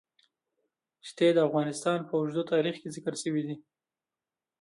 ښتې د افغانستان په اوږده تاریخ کې ذکر شوی دی.